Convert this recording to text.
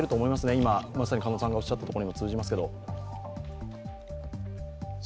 今、まさに鹿野さんがおっしゃったことにも通じますけど。